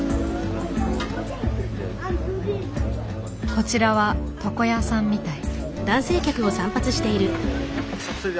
こちらは床屋さんみたい。